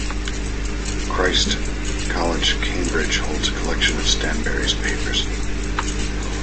Christ's College Cambridge holds a collection of Stanbury's papers.